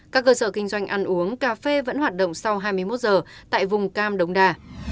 các cơ sở kinh doanh ăn uống cà phê vẫn hoạt động sau hai mươi một giờ tại vùng cam đống đà